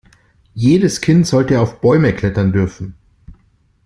Jedes Kind sollte auf Bäume klettern dürfen.